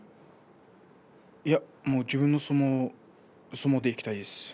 いや、もう自分の相撲でいきたいです。